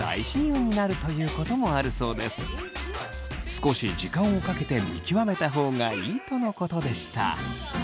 少し時間をかけて見極めた方がいいとのことでした。